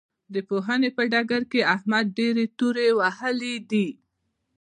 د پوهنې په ډګر کې احمد ډېرې تورې وهلې دي.